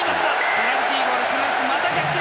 ペナルティーゴールでフランス、また逆転！